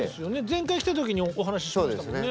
前回来た時にお話ししましたもんね。